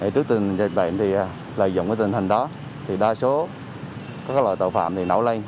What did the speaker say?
trước tình dịch bệnh lợi dụng tình hình đó đa số các loại tội phạm nổ lây